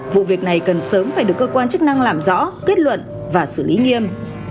vụ việc này cần sớm phải được cơ quan chức năng làm rõ kết luận và xử lý nghiêm